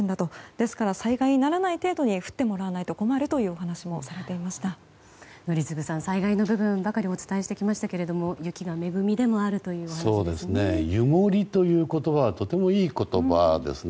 ですから災害にならない程度に降ってもらわないと困る宜嗣さん災害の部分ばかりお伝えしてきましたが雪は恵みでもあるということですね。